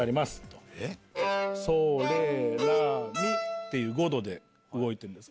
ソレラミっていう５度で動いてるんです。